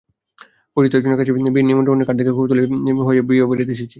পরিচিত একজনের কাছে বিয়ের নিমন্ত্রণের কার্ড দেখে কৌতূহলী হয়েই বিয়েবাড়িতে এসেছি।